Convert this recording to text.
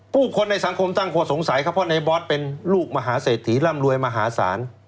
ผู้คนในสังคมตั้งหัวสงสัยเพราะว่าในบอสเป็นลูกมหาเสถียรรมรวยมหาศาล